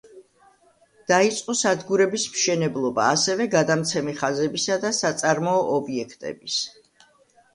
დაიწყო სადგურების მშენებლობა, ასევე გადამცემი ხაზებისა და საწარმოო ობიექტების.